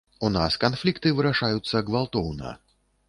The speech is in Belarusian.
У нас канфлікты вырашаюцца гвалтоўна.